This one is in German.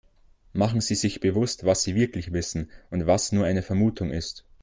Machen Sie sich bewusst, was sie wirklich wissen und was nur eine Vermutung ist.